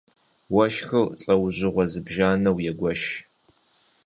Уэшхыр лӀэужьыгъуэ зыбжанэу егуэш.